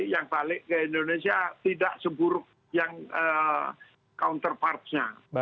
yang balik ke indonesia tidak seburuk yang counterpart nya